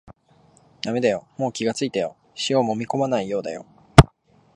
だめだよ、もう気がついたよ、塩をもみこまないようだよ